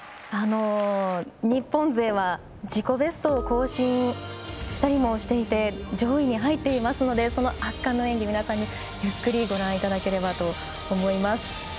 日本勢は、自己ベストを２人も更新していて上位に入っていますので圧巻の演技を皆さん、ゆっくりご覧いただければと思います。